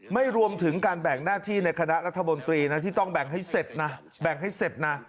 ไม่รวมถึงการแบ่งหน้าที่ในคณะรัฐบนตรีที่ต้องแบ่งให้เสร็จนะ